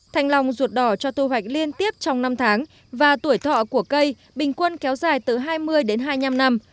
thành lòng ruột đỏ cho thu hoạch liên tiếp trong năm tháng và tuổi thọ của cây bình quân kéo dài từ hai mươi đến hai mươi năm năm